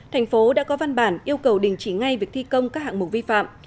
thành phố đã có văn bản yêu cầu đình chỉ ngay việc thi công các hạng mục vi phạm